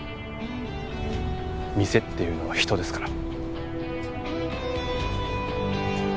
店っていうのは人ですから。